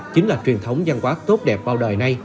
chính là truyền thống văn hóa tốt đẹp bao đời nay